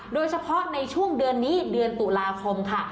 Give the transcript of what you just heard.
โดยเฉพาะในช่วงเดือนนี้เดือนตุลาคมค่ะ